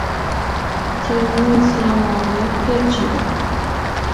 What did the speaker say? Tsùu mɨsɔŋ oo my kɨ ŋii.